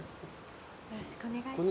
よろしくお願いします。